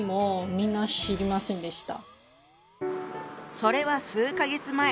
それは数か月前。